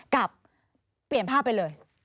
กับเปลี่ยนภาพไปเลย